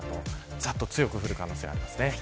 ざっと強く降る可能性があります。